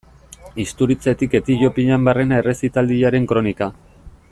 Isturitzetik Etiopian barrena errezitaldiaren kronika.